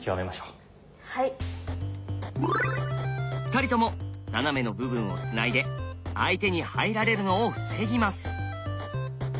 ２人とも斜めの部分をつないで相手に入られるのを防ぎます。